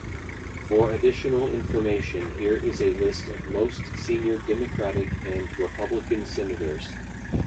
For additional information here is a list of most senior Democratic and Republican Senators.